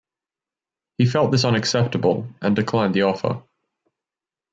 He felt this unacceptable and declined the offer.